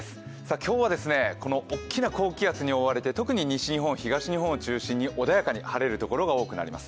今日は大きな高気圧に覆われて特に西日本、東日本を中心に穏やかに晴れる所が多くなります。